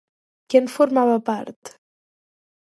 Qui en formava part?